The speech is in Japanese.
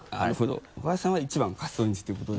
若林さんは１番カシスオレンジていうことで。